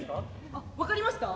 あ分かりますか？